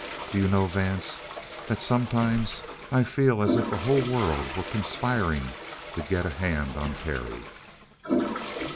"Do you know, Vance, that sometimes I feel as if the whole world were conspiring to get a hand on Terry?"